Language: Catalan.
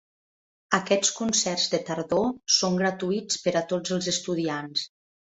Aquests concerts de tardor són gratuïts per a tots els estudiants.